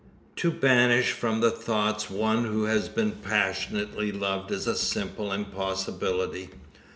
To banish from the thoughts one who has been passionately loved is a simple impossibility.